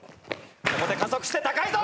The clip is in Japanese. ここで加速して高いぞ！